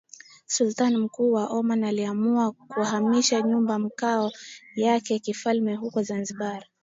Sultan mkuu wa Oman aliamua kuhamisha nyumba makao yake ya kifalme huko Zanzibar